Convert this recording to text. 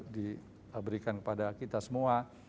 diberikan kepada kita semua